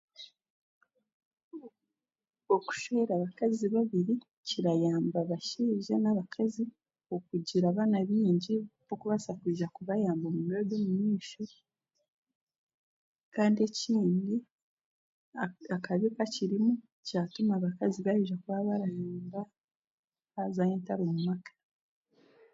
Okushwera abakaazi babiri kirayamba abasheija n'abakaazi okugira abaana bingi b'okubaasa kwija kubayamba omu biro by'omumaisho kandi ekindi akabi akakiriimu kiratuma abakazi baija kuba barayomba hazaho entaro omumaka.